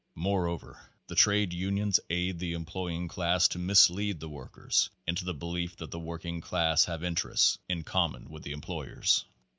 Moreover, the trade unions aid the employing class to mislead the workers into the be lief that the working class have interests in common with their employers.